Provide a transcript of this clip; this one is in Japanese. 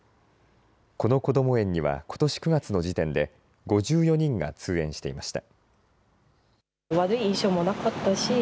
このこども園にはことし９月の時点で５４人が通園していました。